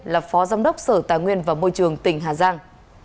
là phó giám đốc sở tài nguyên và môi trường tỉnh hà giang